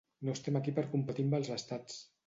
No estem aquí per competir amb els Estats.